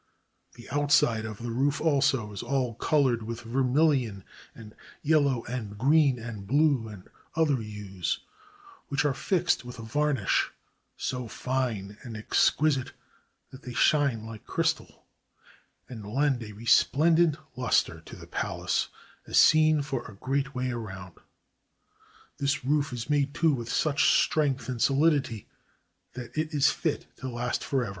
The outside of the roof also is all colored with vermilion and yellow and green and blue and other hues, which are fixed with a varnish so fine and exquisite that they shine like crys tal, and lend a resplendent luster to the palace as seen for a great way round. This roof is made, too, with such strength and solidity that it is fit to last forever.